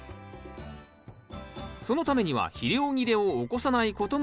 そのためには肥料切れを起こさないことも大事。